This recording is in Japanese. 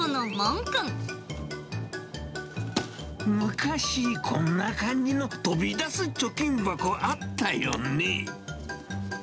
昔、こんな感じの飛び出す貯金箱あったよね。